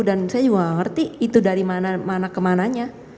dan saya juga tidak mengerti itu dari mana ke mananya